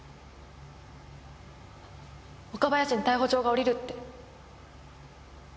岡林に逮捕状が下りるって。